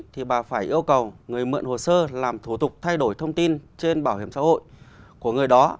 thì bà phải yêu cầu người mượn hồ sơ làm thủ tục thay đổi thông tin trên bảo hiểm xã hội của người đó